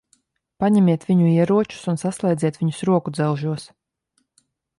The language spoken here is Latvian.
Paņemiet viņu ieročus un saslēdziet viņus rokudzelžos.